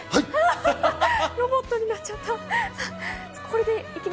ロボットみたいになっちゃった。